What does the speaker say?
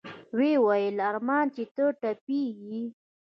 ويې ويل ارمان چې ته ټپي يې.